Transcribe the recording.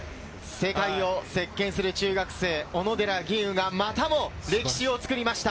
世界を席巻する中学生、小野寺吟雲がまたも歴史を作りました。